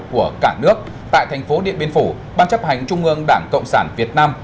của cả nước tại thành phố điện biên phủ ban chấp hành trung ương đảng cộng sản việt nam